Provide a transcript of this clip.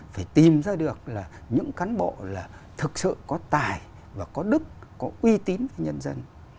phải tìm ra được là những cán bộ là thực sự có tài và có đức có uy tín với nhân dân